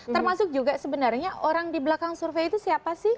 termasuk juga sebenarnya orang di belakang survei itu siapa sih